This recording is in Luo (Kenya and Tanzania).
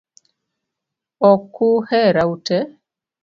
Ok uhera ute